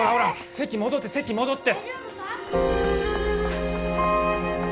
席戻って席戻って。